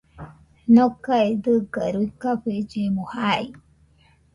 Nokae dɨga ruikafellemo jai